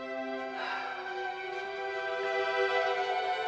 ibu saya jatuh hutang